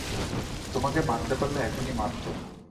তোমাকে মারতে পারলে এখনই মারতুম।